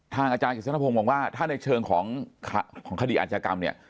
อาจารย์กิจสนพงศ์มองว่าถ้าในเชิงของคดีอาจกรรมเนี่ย